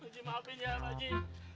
jalan deh jalan dong